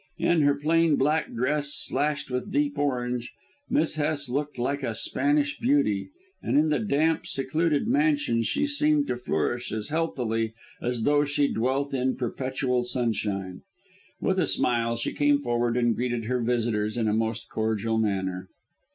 In her plain black dress, slashed with deep orange, Miss Hest looked like a Spanish beauty, and in the damp, secluded mansion she seemed to flourish as healthily as though she dwelt in perpetual sunshine. With a smile she came forward and greeted her visitors in a most cordial manner.